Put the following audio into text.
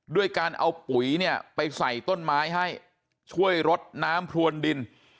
ด้วยการเอาปุ๋ยเนี่ยไปใส่ต้นไม้ให้ช่วยรดน้ำพรวนดิน